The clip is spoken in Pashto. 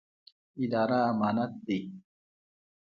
اداره امانت دی